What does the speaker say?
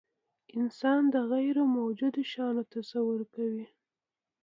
انسان د غیرموجودو شیانو تصور کوي.